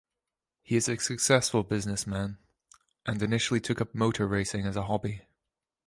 He is a successful businessman, and initially took up motor racing as a hobby.